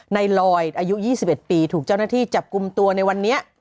ในลอยอายุ๒๑ปีถูกเจ้าหน้าที่จับกลุ่มตัวในวันนี้